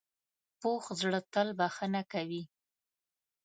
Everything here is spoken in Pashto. پوخ زړه تل بښنه کوي